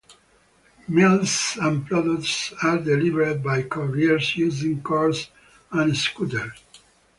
Meals and products are delivered by couriers using cars and scooters.